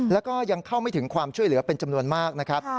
แล้วก็ยังเข้าไม่ถึงความช่วยเหลือเป็นจำนวนมากนะครับ